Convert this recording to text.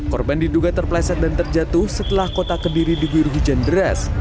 korban diduga terpleset dan terjatuh setelah kota kediri diguyur hujan deras